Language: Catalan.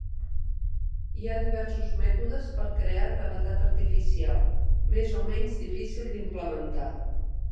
Hi ha diversos mètodes per crear gravetat artificial, més o menys difícil d'implementar.